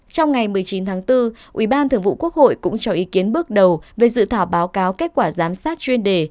trong ngày một mươi chín tháng bốn ủy ban thường vụ quốc hội cũng cho ý kiến bước đầu về dự thảo báo cáo kết quả giám sát chuyên đề